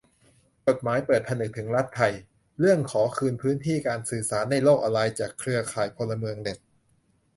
จดหมายเปิดผนึกถึงรัฐไทย เรื่องขอคืนพื้นที่การสื่อสารในโลกออนไลน์ จากเครือข่ายพลเมืองเน็ต